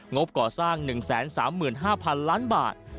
งบก่อสร้าง๑๓๕๐๐๐ล้านบาท